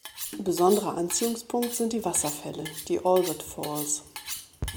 Besonderer Anziehungspunkt sind die Wasserfälle, die Albert Falls.